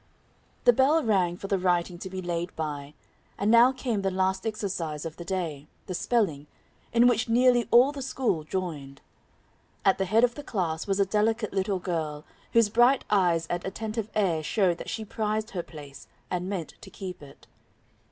The bell rang for the writing to be laid by; and now came the last exercise of the day, the spelling, in which nearly all the school joined. At the head of the class was a delicate little girl, whose bright eyes and attentive air showed that she prized her place, and meant to keep it.